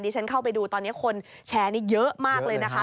ฉันเข้าไปดูตอนนี้คนแชร์นี่เยอะมากเลยนะคะ